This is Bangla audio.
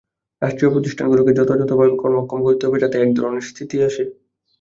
রাষ্ট্রীয় প্রতিষ্ঠানগুলোকে যথাযথভাবে কর্মক্ষম করতে হবে, যাতে একধরনের স্থিতি আসে।